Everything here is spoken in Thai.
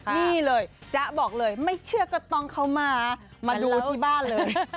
นี่เลยจ๊ะบอกเลยไม่เชื่อก็ต้องเข้ามามาดูที่บ้านเลย